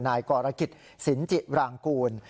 นายกรกิจสินจิรางกูล